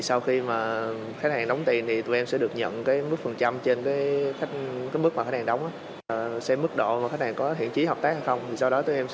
sau khi khách hàng đóng tiền tụi em sẽ được nhận mức phân chia